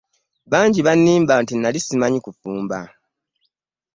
Bangi banimba nti nali simanyi kufumba.